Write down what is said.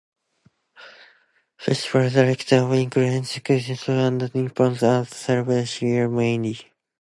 Festivals like Diwali, Ganesh chaturthi, and Nagpanchami are celebrated here, mainly.